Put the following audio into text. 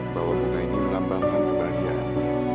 bahwa bunga ini melambangkan kebahagiaan